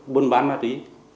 buôn bán ma túy